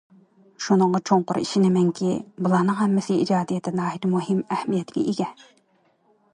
شۇنىڭغا چوڭقۇر ئىشىنىمەنكى، بۇلارنىڭ ھەممىسى ئىجادىيەتتە ناھايىتى مۇھىم ئەھمىيەتكە ئىگە.